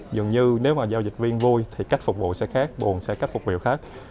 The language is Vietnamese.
dường như nếu mà giao dịch viên vui thì cách phục vụ sẽ khác buồn sẽ cách phục vụ khác